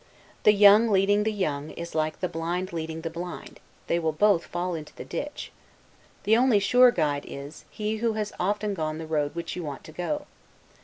The young leading the young, is like the blind leading the blind; (they will both fall into the ditch.) The only sure guide is, he who has often gone the road which you want to go.